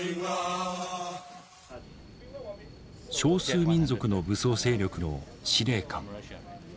少数民族の武装勢力の司令官。